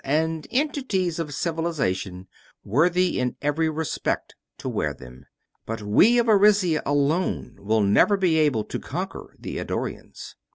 and entities of Civilization worthy in every respect to wear them. But we of Arisia alone will never be able to conquer the Eddorians.